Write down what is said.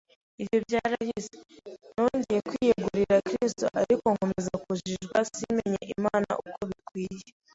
Ibyo byarahise, nongera kwiyegurira Kristo ariko nkomeza kujijwa simenye Imana nk’uko bikwiriye